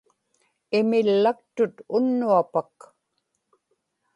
imillaktut unnuaqpak